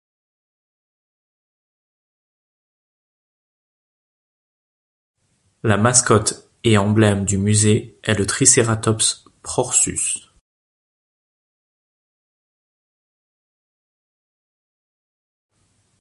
La mascotte et emblème du musée est le Triceratops prorsus.